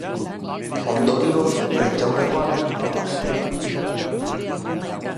Ondorioz, prentsaurrekoa beranduago hastea erabaki dute.